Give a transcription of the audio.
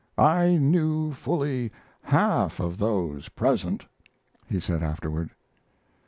"I knew fully half of those present," he said afterward.